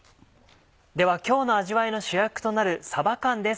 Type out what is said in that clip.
では今日の味わいの主役となるさば缶です。